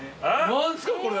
何すかこれ！